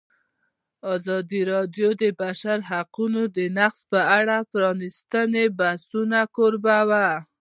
ازادي راډیو د د بشري حقونو نقض په اړه د پرانیستو بحثونو کوربه وه.